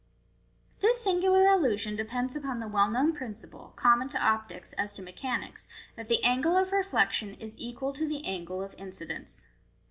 This singular illusion depends upon the well known principle, common to optics as to mechanics, that " the angle of reflection is equal to the angle of incidence."